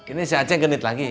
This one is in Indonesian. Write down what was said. ini si aceh genit lagi